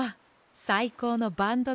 さいこうのバンドだ。